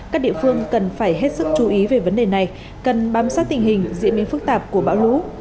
các địa phương cần phải hết sức chú ý về vấn đề này cần bám sát tình hình diễn biến phức tạp của bão lũ